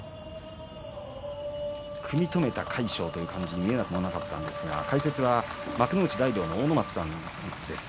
組み止めた魁勝というふうに見えなくもなかったんですが解説は幕内大道の阿武松さんです。